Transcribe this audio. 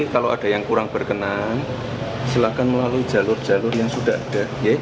kalau ada yang kurang berkenan silakan melalui jalur jalur yang sudah ada